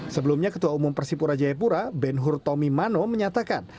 sebelumnya ketua umum persipura jayapura ben hur tommy mano menyatakan